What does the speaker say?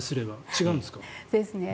違うんですか？